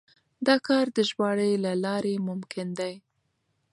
دا کار د ژباړې له لارې ممکن دی.